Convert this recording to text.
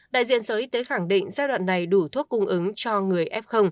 đại diện sở y tế khẳng định giai đoạn này đủ thuốc cung ứng cho người f